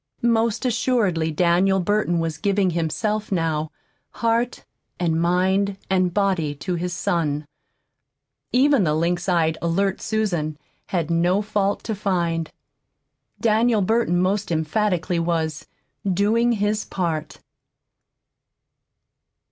Most assuredly Daniel Burton was giving himself now, heart and mind and body, to his son. Even the lynx eyed, alert Susan had no fault to find. Daniel Burton, most emphatically, was "doing his part."